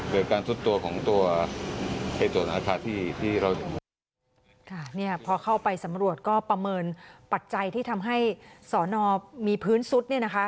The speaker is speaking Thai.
เป็นแบบนี้ปัจจัยที่ทำให้สวนนอร์มีภื้นสุดนะคะ